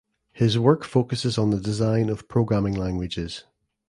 His work focuses on the design of programming languages.